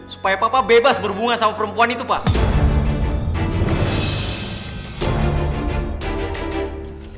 supaya papa bebas berbunga sama perempuan itu pak